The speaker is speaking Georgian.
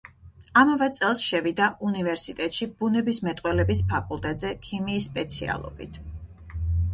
ამავე წელს შევიდა უნივერსიტეტში ბუნებისმეტყველების ფაკულტეტზე ქიმიის სპეციალობით.